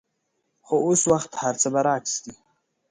خو اوس وخت هرڅه برعکس دي.